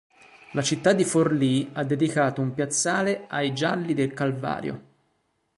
La città di Forlì ha dedicato un piazzale ai "Gialli del Calvario".